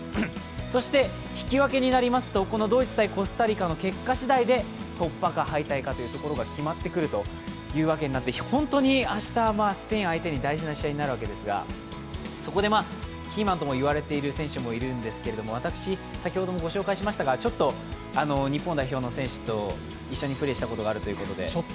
そして、引き分けになりますとドイツ×コスタリカの結果次第で突破か、敗退かが決まってくるというわけになって、本当に明日、スペイン相手に大事な試合になるわけですがそこでキーマンともいわれている選手もいるんですけれども私、先ほどもご紹介しましたが、ちょっと日本代表の選手と一緒にプレーしたことがあるということで。